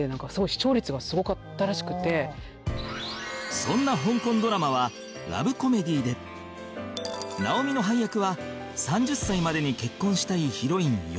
そんな香港ドラマは直美の配役は３０歳までに結婚したいヒロイン美子